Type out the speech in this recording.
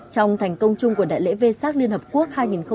trong thành công chung của đại lễ vê sát liên hợp quốc hai nghìn một mươi chín